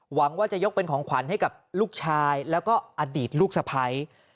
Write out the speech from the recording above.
หวังว่าจะยกเป็นของขวัญให้กับลูกชายแล้วก็อดีตลูกสะพ้าย